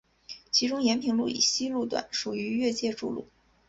其中延平路以西路段属于越界筑路。